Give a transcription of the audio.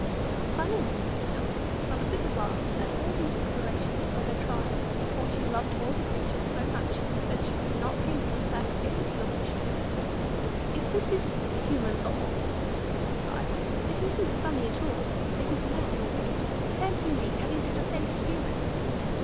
"How funny," said Dot, not a bit alarmed at all these preparations for her trial, for she loved all the creatures so much, that she could not think that any of them wished to hurt her. "If this is human law," said the Magpie, "it isn't funny at all; it is mad, or wicked. Fancy my having to defend a Human!"